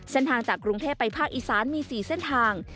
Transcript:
เส้นทางจากกรุงเทพไปภาคอีสานมีสี่เส้นทาง